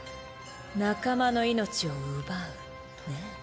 仲間の命を奪うねぇ。